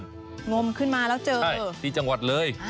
งมขึ้นมาแล้วเจอที่จังหวัดเลย